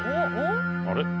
あれ？